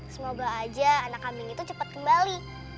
semoga aja anak kambing itu cepat kembali